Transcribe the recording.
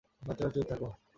বাচ্চারা, চুপ থাকো।